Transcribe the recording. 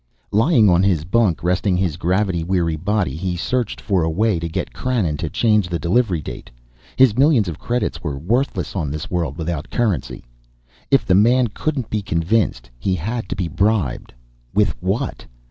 Lying on his bunk, resting his gravity weary body, he searched for a way to get Krannon to change the delivery date. His millions of credits were worthless on this world without currency. If the man couldn't be convinced, he had to be bribed. With what?